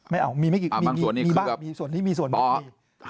ไม่เอามีบ้างส่วนนี้มีส่วนนี้มีส่วนนี้